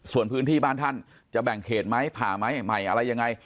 ส่วนพื้นที่บ้านท่านจะแบ่งเขตไหมผ่าไหมใหม่อะไรยังไง